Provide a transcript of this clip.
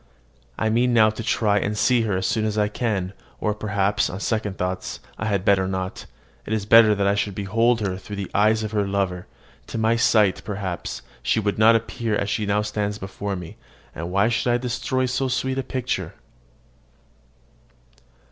I mean now to try and see her as soon as I can: or perhaps, on second thoughts, I had better not; it is better I should behold her through the eyes of her lover. To my sight, perhaps, she would not appear as she now stands before me; and why should I destroy so sweet a picture?